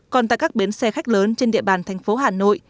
còn tại các bến xe khách lớn trên địa bàn thành phố hà nội